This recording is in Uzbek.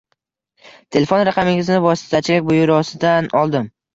Telefon raqamingizni vositachilik byurosidan oldim.